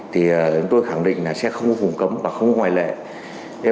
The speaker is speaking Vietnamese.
thì tôi khẳng định là sẽ không có phùng cấm và không có ngoại lệ